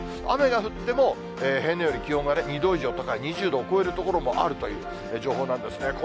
雨が降っても、平年より気温が２度以上高い２０度を超える所もあるという情報なんですね。